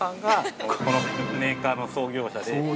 ◆このメーカーの創業者で。